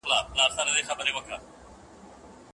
بریالي کسان په خپل ژوند کي توازن مراعاتوي.